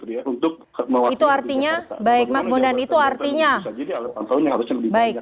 itu artinya baik mas bondan itu artinya